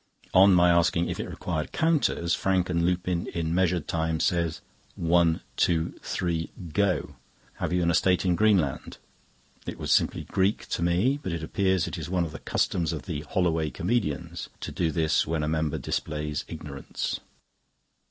On my asking if it required counters, Frank and Lupin in measured time said: "One, two, three; go! Have you an estate in Greenland?" It was simply Greek to me, but it appears it is one of the customs of the "Holloway Comedians" to do this when a member displays ignorance.